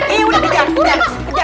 eh udah kejar kejar